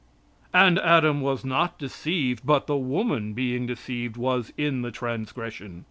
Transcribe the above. "And Adam was not deceived, but the woman being deceived was in the transgression.